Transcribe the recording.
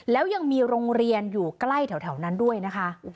แล้วยังมีโรงเรียนอยู่ใกล้แถวนั้นด้วยนะคะ